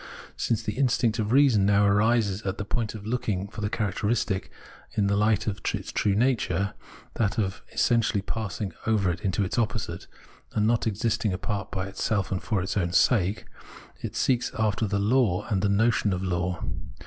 Since the instinct of reason now arrives at the point of looking for the characteristic in the hght of its true nature — that of essentially passing over into its opposite and not existing apart by itself and for its own sake — it seeks after the Law and the notion of law.